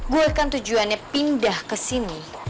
gue kan tujuannya pindah ke sini